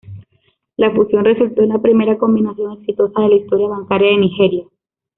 La fusión resultó en la primera combinación exitosa de la historia bancaria de Nigeria.